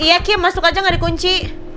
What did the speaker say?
iya kim masuk aja gak dikunci